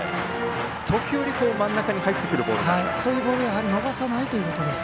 時折、真ん中に入ってくるボールがあります。